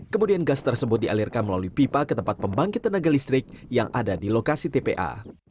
kemudian gas tersebut dialirkan melalui pipa ke tempat pembangkit tenaga listrik yang ada di lokasi tpa